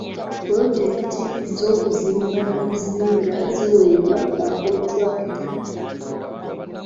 Pulojekiti z'okuzimba ezisinga ziweebwa ba kkontulakita.